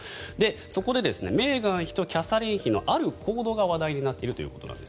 そこでメーガン妃とキャサリン妃のある行動が話題になっているということです。